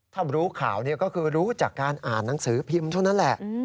ถ้ารู้ข่าวก็คือรู้จากการอ่านหนังสือพิมพ์เท่านั้นแหละ